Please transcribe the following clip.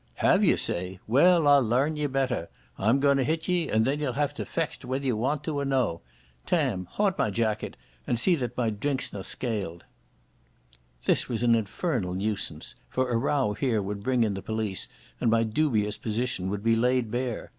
"Have ye sae? Well, I'll learn ye better. I'm gaun to hit ye, and then ye'll hae to fecht whether ye want it or no. Tam, haud my jacket, and see that my drink's no skailed." This was an infernal nuisance, for a row here would bring in the police, and my dubious position would be laid bare.